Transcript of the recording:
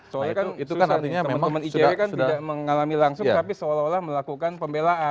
soalnya kan teman teman icw kan tidak mengalami langsung tapi seolah olah melakukan pembelaan